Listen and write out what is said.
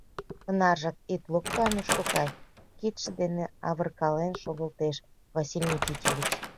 — Тынаржак ит локто, Ануш кокай! — кидше дене авыркален шогылтеш Василий Никитьевич.